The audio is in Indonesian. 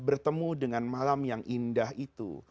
bertemu dengan malam yang indah itu